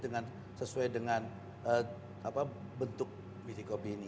dengan sesuai dengan bentuk biji kopi ini